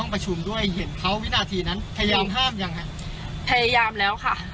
พยายามแล้วค่ะ